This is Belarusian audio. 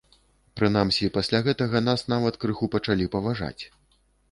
Прынамсі пасля гэтага нас нават крыху пачалі паважаць.